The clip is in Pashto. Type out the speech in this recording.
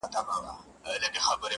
جهاني له دې وطنه یوه ورځ کډي باریږي؛